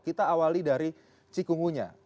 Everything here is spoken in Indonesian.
kita awali dari cikungunya